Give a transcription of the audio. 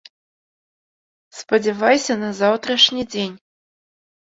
Спадзявайся на заўтрашні дзень.